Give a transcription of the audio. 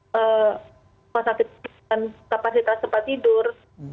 rumah sakit dan kapasitas tempat tidur